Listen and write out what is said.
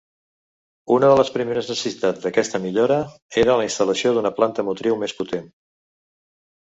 Una de les primeres necessitats d'aquesta millora era la instal·lació d'una planta motriu més potent.